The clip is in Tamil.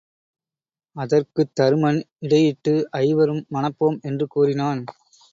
அதற்குத் தருமன் இடையிட்டு ஐவரும் மணப் போம் என்று கூறினான்.